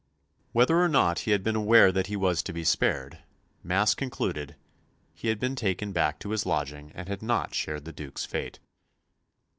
Whether or not he had been aware that he was to be spared, Mass concluded, he had been taken back to his lodging and had not shared the Duke's fate.